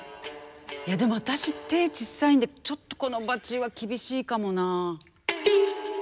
いやでも私手ちっさいんでちょっとこのバチは厳しいかもな。